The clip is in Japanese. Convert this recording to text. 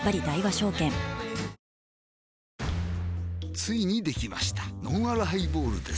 ついにできましたのんあるハイボールです